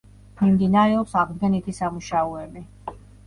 მიმდინარეობს აღდგენითი სამუშაოები.